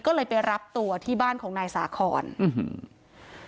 ก็เลยไปรับตัวที่บ้านของนายสาคอนอื้อหือ